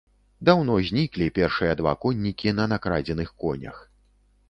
Даўно зніклі першыя два коннікі на накрадзеных конях.